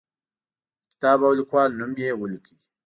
د کتاب او لیکوال نوم یې ولیکئ.